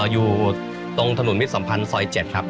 อยู่ตรงถนนมิตรสัมพันธ์ซอย๗ครับ